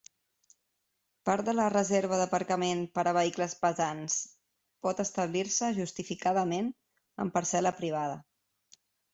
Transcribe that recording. Part de la reserva d'aparcament per a vehicles pesants pot establir-se, justificadament, en parcel·la privada.